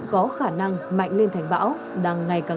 có khả năng mạnh lên thành bão đang ngày càng rõ nét